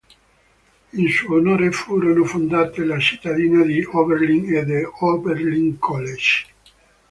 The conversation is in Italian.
In suo onore furono fondate la cittadina di Oberlin e l'Oberlin College.